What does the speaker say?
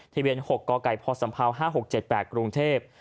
ทะเบียน๖กกพศ๕๖๗๘กรุงเทพฯ